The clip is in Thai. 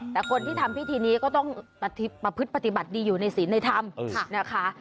แต่คนที่ทำพิธีนี้ก็ต้องประพฤติปฏิบัติดีอยู่ในศีลในธรรมนะคะ